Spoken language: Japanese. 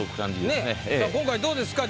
今回どうですか？